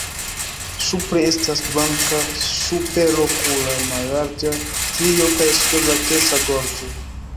Supre estas blanka superokula mallarĝa strio kaj sube blankeca gorĝo.